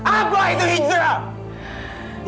apa itu hijrah